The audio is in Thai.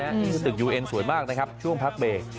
นี่คือตึกยูเอ็นสวยมากช่วงพักเบก